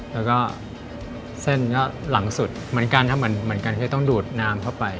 แล้วก็เส้นก็หลังสุดเหมือนกันมันก็จะต้องดูดน้ำเข้าไป